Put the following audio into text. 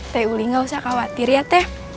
teh uli nggak usah khawatir ya teh